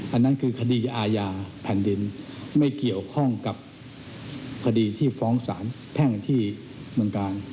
อันนั้นคือคดีอาญาแผ่นดินไม่เกี่ยวข้องกับคดีที่ฟ้องสารแพ่งที่เมืองกาล